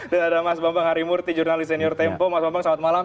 dan ada mas bambang harimurti jurnalis senior tempo mas bambang selamat malam